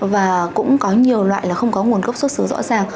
và cũng có nhiều loại là không có nguồn gốc xuất xứ rõ ràng